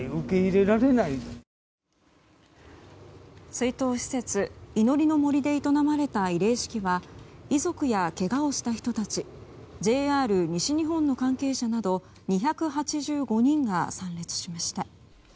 追悼施設祈りの杜で営まれた慰霊式は遺族や、けがをした人たちＪＲ西日本の関係者など２８５人が参列しました。